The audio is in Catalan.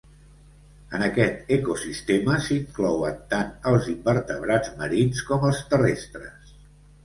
En aquest ecosistema s'inclouen tant els invertebrats marins com els terrestres.